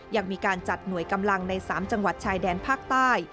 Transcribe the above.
ยังมีการจัดหน่วยกำลังใน๓จังหวัดชายแดนภาคใต้